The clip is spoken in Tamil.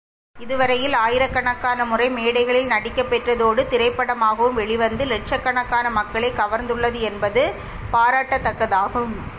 இதுவரையில் ஆயிரக்கணக்கான முறை மேடைகளில் நடிக்கப் பெற்றதோடு திரைப்படமாகவும் வெளிவந்து இலட்சக்கணக்கான மக்களைக் கவர்ந்துள்ளது என்பது பாராட்டத்தக்கதாகும்.